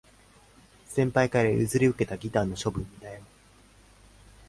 先輩から譲り受けたギターの処分に悩む